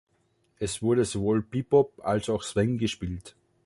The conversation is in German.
Es wurde sowohl Bebop als auch Swing gespielt.